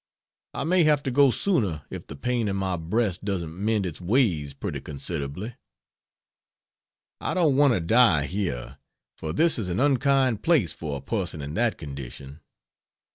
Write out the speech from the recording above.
I may have to go sooner if the pain in my breast doesn't mend its ways pretty considerably. I don't want to die here for this is an unkind place for a person in that condition.